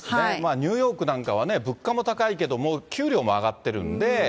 ニューヨークなんかはね、物価も高いけども、給料も上がってるんで。